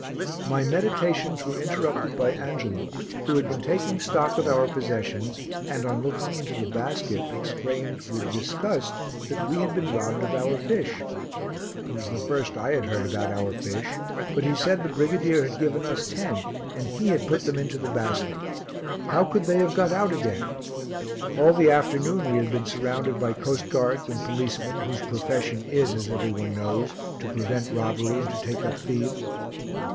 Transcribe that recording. My meditations were interrupted by Angelo who had been taking stock of our possessions and, on looking into the basket, exclaimed with disgust that we had been robbed of our fish. It was the first I had heard about our fish, but he said the brigadier had given us ten and he had put them into the basket. How could they have got out again? All the afternoon we had been surrounded by coastguards and policemen whose profession is, as every one knows, to prevent robbery and to take up thieves.